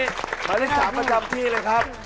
หมายเลข๓ประจำที่เลยครับ